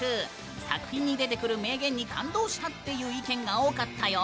作品に出てくる名言に感動したっていう意見が多かったよ。